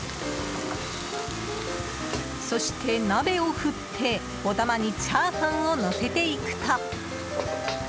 そして鍋を振って、お玉にチャーハンをのせていくと。